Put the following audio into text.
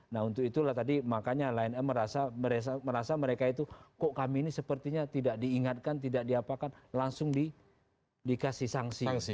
nah untuk itulah tadi makanya lion air merasa mereka itu kok kami ini sepertinya tidak diingatkan tidak diapakan langsung dikasih sanksi